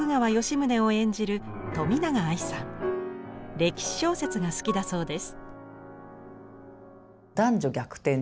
歴史小説が好きだそうです。